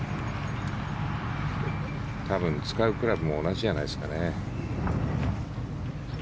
多分使うクラブも同じじゃないですかね。